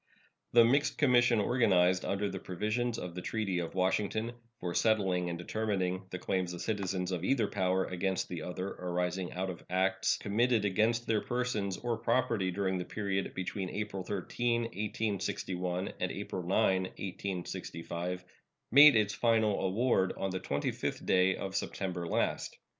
The mixed commission organized under the provisions of the treaty of Washington for settling and determining the claims of citizens of either power against the other arising out of acts committed against their persons or property during the period between April 13, 1861, and April 9, 1865, made its final award on the 25th day of September last.